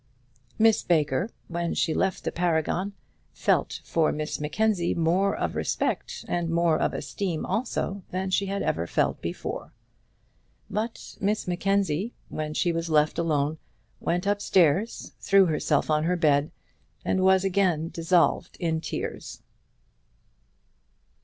Miss Baker, when she left the Paragon, felt for Miss Mackenzie more of respect and more of esteem also than she had ever felt before. But Miss Mackenzie, when she was left alone, went upstairs, threw herself on her bed, and was again dissolved in tears.